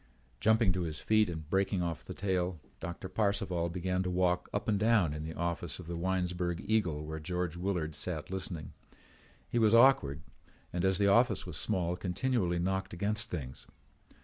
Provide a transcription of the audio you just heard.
Jumping to his feet and breaking off the tale, Doctor Parcival began to walk up and down in the office of the Winesburg Eagle where George Willard sat listening. He was awkward and, as the office was small, continually knocked against things.